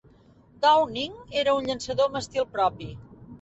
Downing era un llançador amb estil propi.